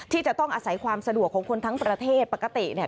ที่จะต้องอาศัยความสะดวกของคนทั้งประเทศปกติเนี่ย